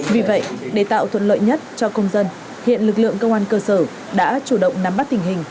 vì vậy để tạo thuận lợi nhất cho công dân hiện lực lượng công an cơ sở đã chủ động nắm bắt tình hình